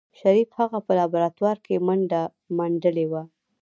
شريف هغه په لابراتوار کې منډلې وه.